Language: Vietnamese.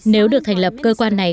nếu được thành lập cơ quan này